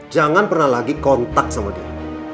jangan pernah lagi kontak sama dia